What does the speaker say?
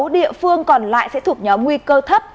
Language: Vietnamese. ba mươi sáu địa phương còn lại sẽ thuộc nhóm nguy cơ thấp